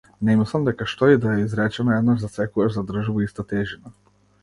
Не мислам дека што и да е изречено еднаш за секогаш задржува иста тежина.